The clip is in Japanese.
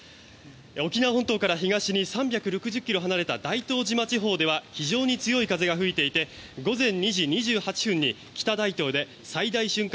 沖縄本島から東に３６０ｋｍ離れた大東島地方では非常に強い風が吹いていて午前２時２８分に北大東で最大瞬間